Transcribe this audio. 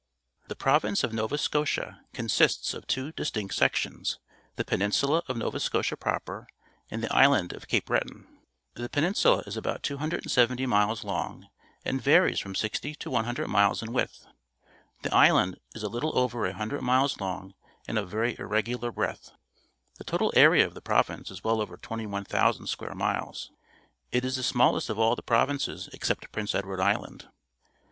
— The Prov ince of A^ova yScofia consists of two distinct sections — the peninsula of Nova Scotia prop er and the island of Cape Breton. The peninsula is about 270 miles long and varies from sixt y t o one hundred mil es in width ; the island is a little over a hundred miles long and of very irregular breadth, ^he Cape Blomidon, on the Baj i>f Fundy, Nova Scotia total area of the province is well over 21,000 square miles. It is the smallest of all the provinces except Prince Edward Island.